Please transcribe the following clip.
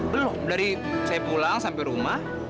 belum dari saya pulang sampai rumah